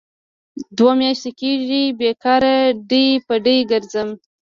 دوه میاشې کېږي بې کاره ډۍ په ډۍ کرځم.